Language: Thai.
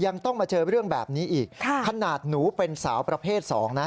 ยังต้องมาเจอเรื่องแบบนี้อีกค่ะขนาดหนูเป็นสาวประเภทสองนะ